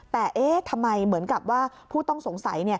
แต่ทำไมเหมือนกับว่าผู้ต้องสงสัย